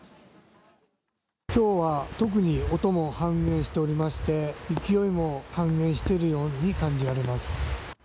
きょうは特に音も半減しておりまして、勢いも半減しているように感じられます。